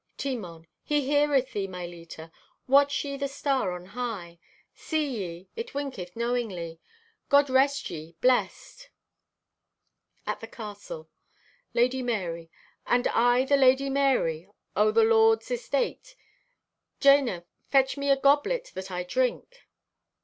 (Timon) "He heareth thee, my Leta. Watch ye the star on high. See ye, it winketh knowingly. God rest ye, blest." (At the Castle.) (Lady Marye) "And I the Lady Marye, o' the lord's estate! Jana, fetch me a goblet that I drink."